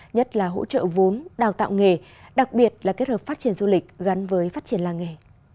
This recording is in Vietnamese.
nhất là hỗ trợ vốn đào tạo nghề đặc biệt là kết hợp phát triển du lịch gắn với phát triển làng nghề